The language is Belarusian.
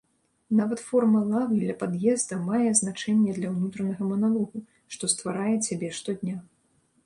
Нават форма лавы ля пад'езда мае значэнне для ўнутранага маналогу, што стварае цябе штодня.